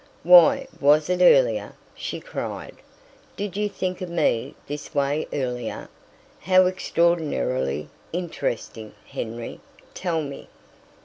"Why, was it earlier?" she cried. "Did you think of me this way earlier! How extraordinarily interesting, Henry! Tell me."